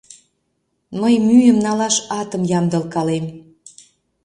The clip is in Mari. Мый мӱйым налаш атым ямдылкалем.